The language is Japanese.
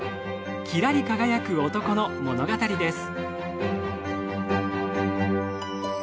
キラリ輝く男の物語です。